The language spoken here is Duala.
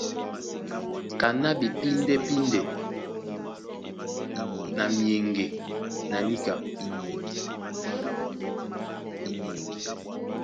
Kaná ɓepíndɛ́píndɛ na myeŋge na níka.